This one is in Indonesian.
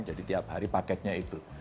jadi tiap hari paketnya itu